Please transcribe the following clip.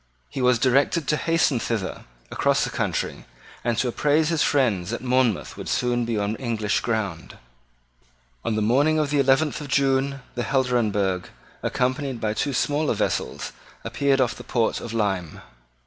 He was directed to hasten thither across the country, and to apprise his friends that Monmouth would soon be on English ground. On the morning of the eleventh of June the Helderenbergh, accompanied by two smaller vessels, appeared off the port of Lyme.